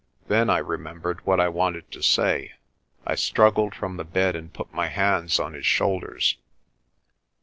Then I remembered what I wanted to say. I struggled from the bed and put my hands on his shoulders.